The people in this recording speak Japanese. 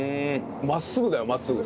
真っすぐだよ真っすぐ。